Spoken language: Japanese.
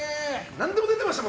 何でも出てました